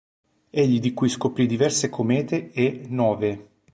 Egli di qui scoprì diverse comete e "novae".